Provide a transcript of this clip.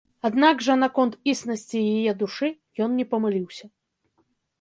Аднак жа наконт існасці яе душы ён не памыліўся.